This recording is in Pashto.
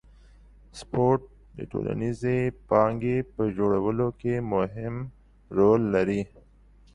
سپورت د ټولنیزې پانګې په جوړولو کې مهم رول لري.